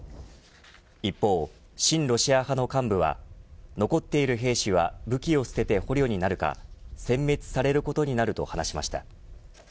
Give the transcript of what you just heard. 一方、親ロシア派の幹部は残っている兵士は武器を捨てて捕虜になるかせん滅されることになると話しました。